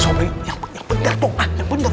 sobri yang bener tuh